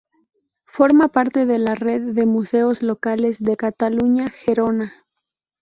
Forma parte de la Red de Museos Locales de Cataluña-Gerona.